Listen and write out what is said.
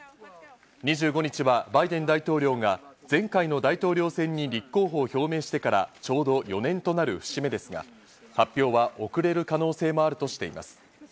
２５日はバイデン大統領が前回の大統領選に立候補を表明してから、ちょうど４年となる節目ですが、発表は遅れる可能性もあるとしています。